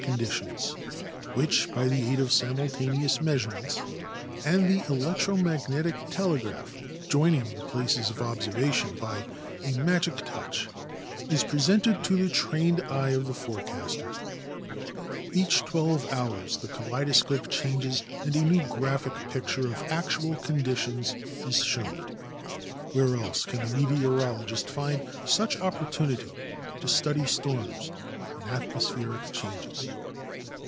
300 UNITED ST A TES DA IL Y A TMOSPHERIC S UR VE Y tions, which by the aid of simultaneous measurements and the electro magnetic telegraph joining the places of observation by a magic touch is presented to the trained eye of the forecaster. Each twelve hours the kaleidoscope changes and a new graphic picture of actual conditions is shown. Where else can the me teorologist find such opportunity to study storms and atmos pheric changes